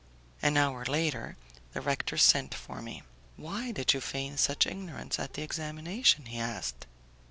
An hour later, the rector sent for me. "Why did you feign such ignorance at the examination?" he asked.